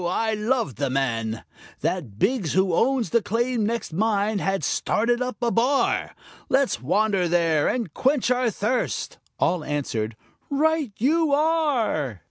I loved the man, That Biggs who owns the claim next mine had started up a bar. Let's wander there and quench our thirst." All answered, "Right you are."